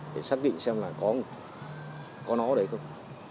để xác định xem là có nó đấy không